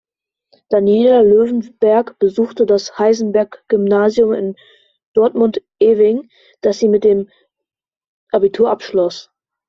Daniela Löwenberg besuchte das „Heisenberg-Gymnasium“ in Dortmund-Eving, das sie mit dem Abitur abschloss.